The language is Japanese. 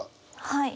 はい。